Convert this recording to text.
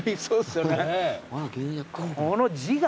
この字が。